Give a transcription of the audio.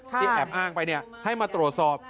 แอบอ้างไปให้มาตรวจสอบ